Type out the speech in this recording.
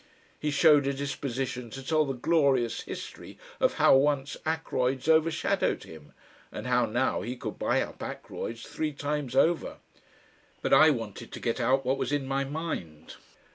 He showed a disposition to tell the glorious history of how once Ackroyd's overshadowed him, and how now he could buy up Ackroyd's three times over. But I wanted to get out what was in my mind.